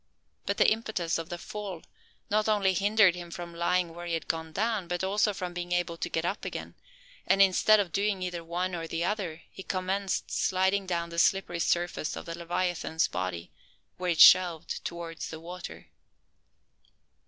But the impetus of the fall not only hindered him from lying where he had gone down, but also from being able to get up again; and, instead of doing either one or the other, he commenced sliding down the slippery surface of the leviathan's body, where it shelved towards the water.